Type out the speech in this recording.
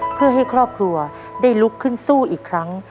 เพื่อให้ครอบครัวได้ลุกขึ้นสู้อีกครั้ง